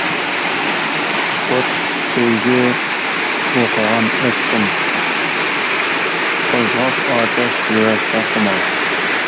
ئوتلۇق سۆيگۈ ئوقۇغان ئەپسۇن، قوزغاپ ئاتەش يۈرەكتە خۇمار.